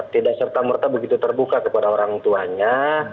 tidak serta merta begitu terbuka kepada orang tuanya